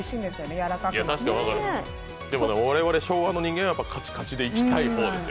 分かる、でも我々昭和の人間はカチカチでいきたいんです。